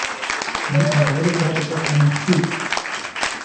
Mittlerweile gab es auch einen Krug.